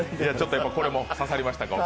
これも刺さりましたか？